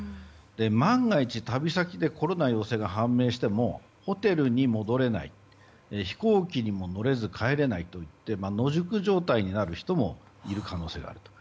万が一旅先でコロナの陽性が判明してもホテルに戻れない飛行機にも乗れず帰れないといって野宿状態になる人もいる可能性があると。